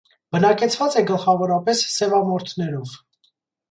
Բնակեցված է գլխավորապես սևամորթներով։